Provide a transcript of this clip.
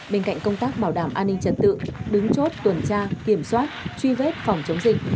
bên cạnh công tác bảo đảm an ninh trật tự đứng chốt tuần tra kiểm soát truy vết phòng chống dịch